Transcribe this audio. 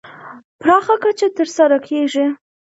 پراخه کچه تر سره کېږي.